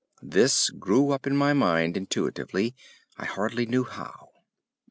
This grew up in my mind intuitively—I hardly knew how.